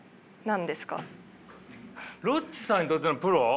ロッチさんにとってのプロ？